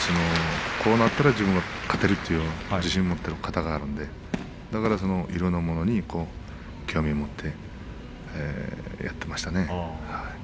こうなったら自分が勝てるという自信を持っている型があるのでだからいろいろなものに興味を持ってやっていましたね。